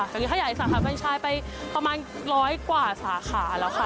ตอนนี้ขยายสาขาแฟนชายไปประมาณร้อยกว่าสาขาแล้วค่ะ